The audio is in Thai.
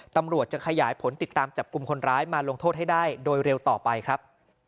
ตำรวจจะขยายผลติดตามจับกลุ่มคนร้ายมาลงโทษให้ได้โดยเร็วต่อไปครับ